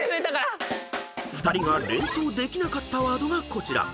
［２人が連想できなかったワードがこちら］